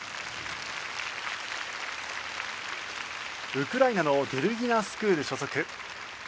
ウクライナのデルギナ・スクール所属。